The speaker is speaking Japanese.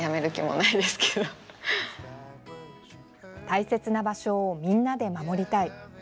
大切な場所をみんなで守りたい。